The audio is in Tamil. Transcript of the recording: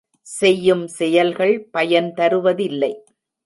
செய்யும் செயல்கள் பயன் தருவதில்லை.